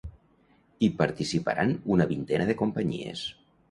Hi participaran una vintena de companyies.